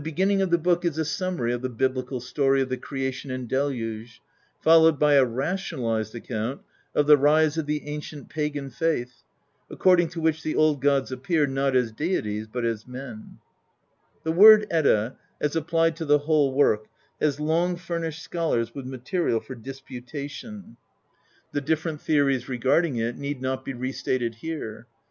Regard them as I have indicated at the heginning of this hookJ^ The beginning of the book is a summary of the Biblical story of the Creation and Deluge, followed by a rationalixed account of the rise of the ancient pagan faith, according to which the old gods appear, not as deities, but as men. The word "Edda," as applied to the whole work, has long furnished scholars with material for disputation. The xviii INTRODUCTION different theories regarding it need not be re stated here.